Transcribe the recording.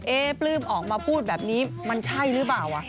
ปลื้มออกมาพูดแบบนี้มันใช่หรือเปล่า